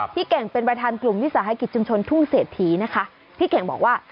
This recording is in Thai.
เก่งเป็นประธานกลุ่มวิสาหกิจชุมชนทุ่งเศรษฐีนะคะพี่เก่งบอกว่า